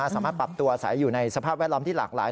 สามารถปรับตัวใส่อยู่ในสภาพแวดล้อมที่หลากหลาย